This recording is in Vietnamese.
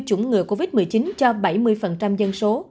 chủng ngừa covid một mươi chín cho bảy mươi dân số